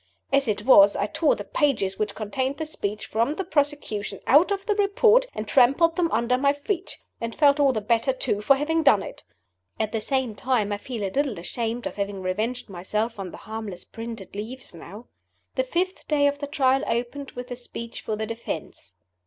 As it was, I tore the pages which contained the speech for the prosecution out of the Report and trampled them under my feet and felt all the better too for having done it. At the same time I feel a little ashamed of having revenged myself on the harmless printed leaves now. The fifth day of the Trial opened with the speech for the defense.